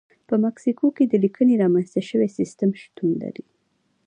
په مکسیکو کې د لیکنې رامنځته شوی سیستم شتون لري.